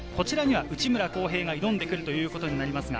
内村航平が挑んでくるということになります。